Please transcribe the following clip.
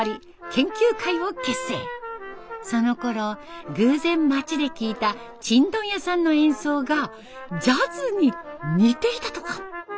そのころ偶然町で聴いたちんどん屋さんの演奏がジャズに似ていたとか。